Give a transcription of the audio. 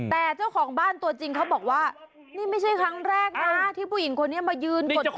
แต่เจ้าของบ้านตัวจริงเขาบอกว่านี่ไม่ใช่ครั้งแรกนะที่ผู้หญิงคนนี้มายืนกดคอ